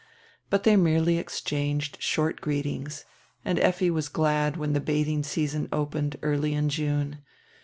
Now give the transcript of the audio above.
But they merely exchanged short greet ings, and Effi was glad when die bathing season opened early in June.